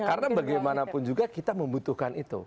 karena bagaimanapun juga kita membutuhkan itu